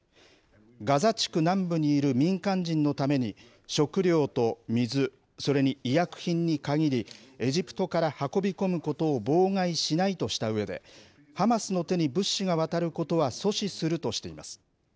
ガザ地区南部にいる民間人のために食料と水、それに医薬品に限りエジプトから運び込むことを妨害しないとしたうえでハマスの手に物資が渡ることは阻止するとしています。